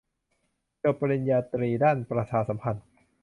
จบปริญญาตรีด้านประชาสัมพันธ์